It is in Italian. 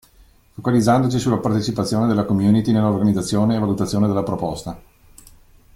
Focalizzandoci sulla partecipazione della community nella organizzazione e valutazione della proposta.